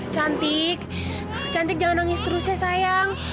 cantik cantik jangan nangis terus ya sayang